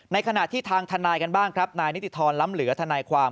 ขณะที่ทางทนายกันบ้างครับนายนิติธรรมล้ำเหลือทนายความ